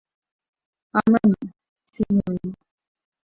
আমরা না, শুধু আমি।